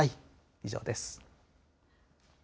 以上です。